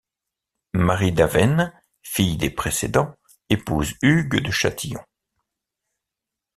Marie d'Avesnes, fille des précédents, épouse Hugues de Châtillon.